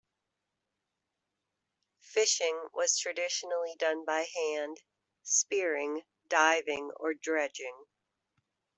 Fishing was traditionally done by hand, spearing, diving or dredging.